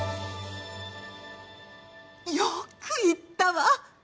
よく言ったわ！